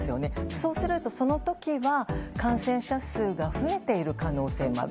そうすると、その時は感染者数が増えている可能性もある。